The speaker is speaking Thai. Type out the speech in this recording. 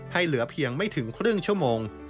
เหลือเพียงไม่ถึงครึ่งชั่วโมง